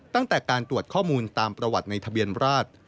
ตั้งแต่การตรวจข้อมูลตามประวัติในทะเบียนราช